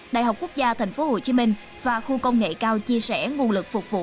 đại học quốc gia tp hcm và khu công nghệ cao chia sẻ nguồn lực phục vụ